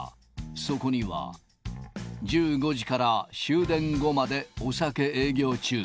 そこには、１５時から終電後までお酒営業中！